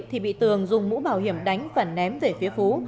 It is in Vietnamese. thì bị tường dùng mũ bảo hiểm đánh và ném về phía phú